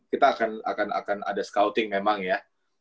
kita akan ada scouting memang ya